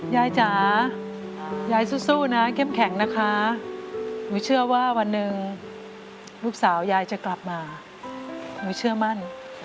จ๋ายายสู้นะเข้มแข็งนะคะหนูเชื่อว่าวันหนึ่งลูกสาวยายจะกลับมาหนูเชื่อมั่น